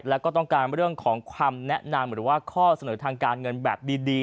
แล้วก็ต้องการเรื่องของความแนะนำหรือว่าข้อเสนอทางการเงินแบบดี